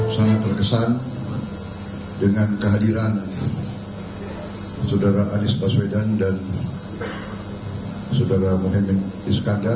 sangat terkesan dengan kehadiran saudara anies baswedan dan saudara mohaimin iskandar